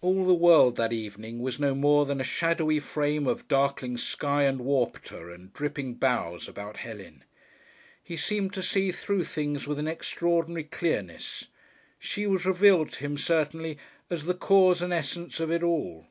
All the world that evening was no more than a shadowy frame of darkling sky and water and dripping bows about Helen. He seemed to see through things with an extraordinary clearness; she was revealed to him certainly, as the cause and essence of it all.